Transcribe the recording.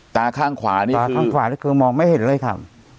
ตาข้างขวานี่ตาข้างขวานี่คือมองไม่เห็นเลยค่ะ